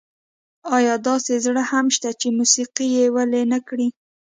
ایا داسې زړه هم شته چې موسيقي یې ویلي نه کړي؟